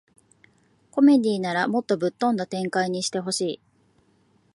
コメディならもっとぶっ飛んだ展開にしてほしい